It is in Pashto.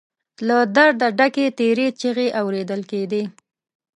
له درده ډکې تېرې چيغې اورېدل کېدې.